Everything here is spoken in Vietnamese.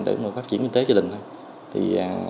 để phát triển kinh tế cho đình thôi